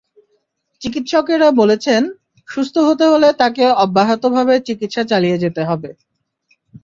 চিকিৎসকেরা বলেছেন, সুস্থ হতে হলে তাঁকে অব্যাহতভাবে চিকিৎসা চালিয়ে যেতে হবে।